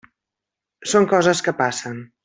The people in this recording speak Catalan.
Són coses que passen.